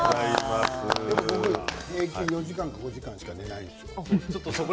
僕平均４時間、５時間しか寝ないですよ。